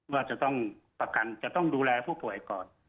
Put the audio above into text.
ว่าจะต้องประกันจะต้องดูแลผู้ป่วยก่อน